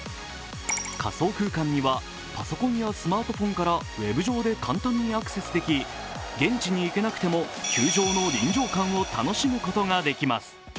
仮想空間にはパソコンやスマートフォンからウェブ上で簡単にアクセスでき現地に行けなくても球場の臨場感を楽しむことができます。